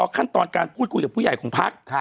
ขั้นตอนการพูดคุยกับผู้ใหญ่ของพัก